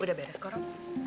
udah beres korok